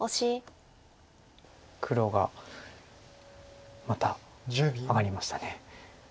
黒がまた上がりました。